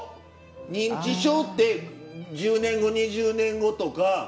認知症って１０年後２０年後とか。